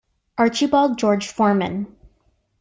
Archibald George Forman.